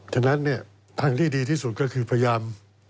ฉะนั้นเนี่ยทางที่ดีที่สุดก็คือพยายาม